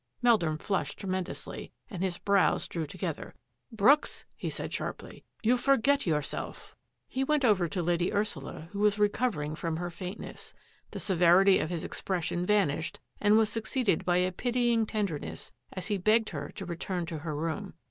Meldrum flushed tremendously and his brows drew together. " Brooks," he said sharply, you forget yourself." He went over to Lady Ursula, who was recover ing from her faintness. The severity of his ex pression vanished and was succeeded by a pity ing tenderness as he begged her to return to her room.